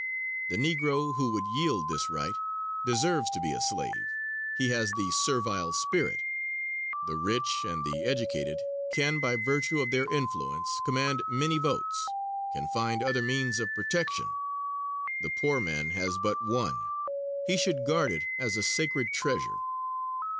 The Negro who would yield this right, deserves to be a slave; he has the servile spirit. The rich and the educated can, by virtue of their influence, command many votes; can find other means of protection; the poor man has but one, he should guard it as a sacred treasure.